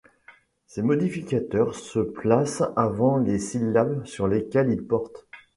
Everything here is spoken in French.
Ces modificateurs se placent avant les syllabes sur lesquels ils portent.